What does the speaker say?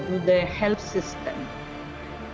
untuk sistem pertolongan